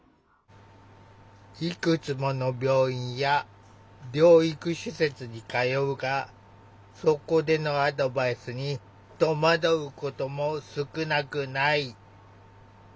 いくつもの病院や療育施設に通うがそこでのアドバイスにとまどうことも少なくない。